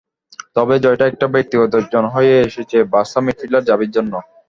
তবে জয়টা একটা ব্যক্তিগত অর্জন হয়ে এসেছে বার্সা মিডফিল্ডার জাভির জন্য।